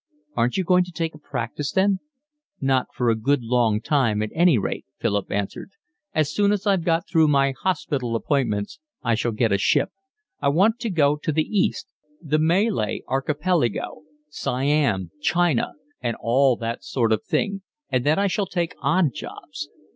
"Aren't you going to take a practice then?" "Not for a good long time at any rate," Philip answered. "As soon as I've got through my hospital appointments I shall get a ship; I want to go to the East—the Malay Archipelago, Siam, China, and all that sort of thing—and then I shall take odd jobs.